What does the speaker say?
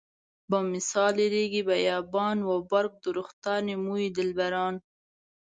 بمثال ريګ بيابان و برګ درختان موی دلبران.